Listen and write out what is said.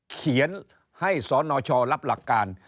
เขียนให้สนชรับหลักการ